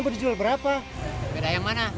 bang lebih bang